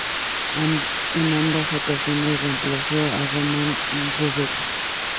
En ambas ocasiones remplazó a Ramón Bóveda.